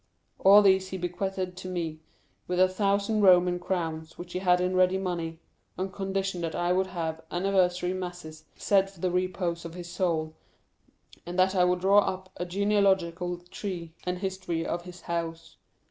All these he bequeathed to me, with a thousand Roman crowns, which he had in ready money, on condition that I would have anniversary masses said for the repose of his soul, and that I would draw up a genealogical tree and history of his house.